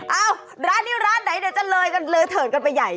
เอ้าร้านนี้ร้านไหนเดี๋ยวจะเลยกันเลยเถิดกันไปใหญ่